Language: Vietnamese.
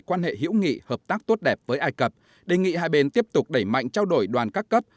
quan hệ hữu nghị hợp tác tốt đẹp với ai cập đề nghị hai bên tiếp tục đẩy mạnh trao đổi đoàn các cấp